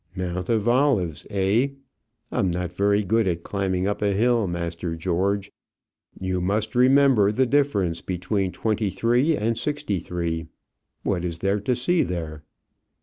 "Mount of Olives, eh? I'm not very good at climbing up a hill, Master George; you must remember the difference between twenty three and sixty three. What is there to see there?"